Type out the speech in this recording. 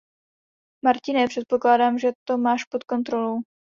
Martine, předpokládám, že to máš pod kontrolou.